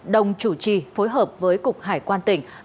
đồng chủ trì phối hợp với cục hải quan tỉnh